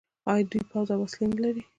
آیا دوی پوځ او وسلې نلري؟